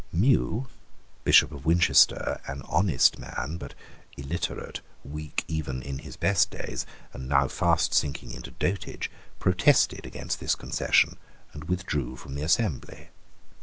Mew, Bishop of Winchester, an honest man, but illiterate, weak even in his best days, and now fast sinking into dotage, protested against this concession, and withdrew from the assembly.